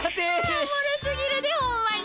おもろすぎるでホンマに。